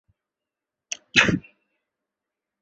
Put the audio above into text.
圣波良。